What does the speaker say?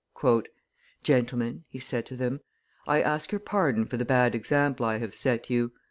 "Gentlemen," he said to them, "I ask your pardon for the bad example I have set you.